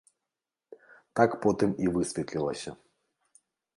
Так потым і высветлілася.